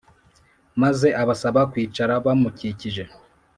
maze abasaba kwicara bamukikije.